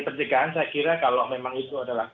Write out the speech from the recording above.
pencegahan saya kira kalau memang itu adalah tagline nya